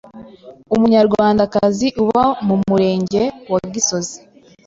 umunyarwandakazi uba mu Murenge wa Gisozi